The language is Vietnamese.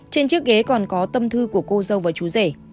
trên chiếc ghế còn có tâm thư của cô dâu và chú rể